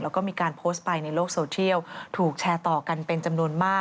และมีการโพสต์ไปในโลกโซเทียลถูกแชร์กันมากกเลย